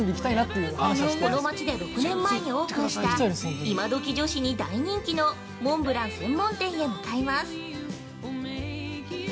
この町で６年前にオープンした今どき女子に大人気のモンブラン専門店へ向かいます。